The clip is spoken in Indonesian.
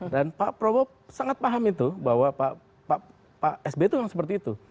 dan pak prabowo sangat paham itu bahwa pak sby itu yang seperti itu